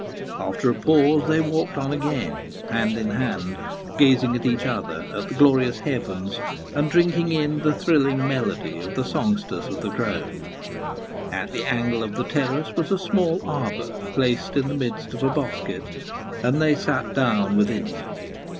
After a pause, they walked on again, hand in hand, gazing at each other, at the glorious heavens, and drinking in the thrilling melody of the songsters of the grove. At the angle of the terrace was a small arbour placed in the midst of a bosquet, and they sat down within it.